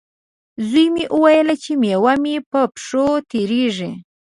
زوی مې وویلې، چې میوه مې په پښو تېرېږي.